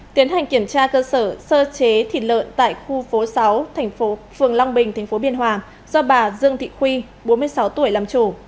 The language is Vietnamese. tiến hành kiểm tra cơ sở sơ chế thịt lợn tại khu phố sáu phường long bình tp biên hòa do bà dương thị khuy bốn mươi sáu tuổi làm chủ